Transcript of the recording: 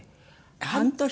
半年？